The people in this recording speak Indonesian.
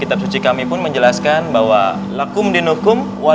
kitab suci kami pun menjelaskan bahwa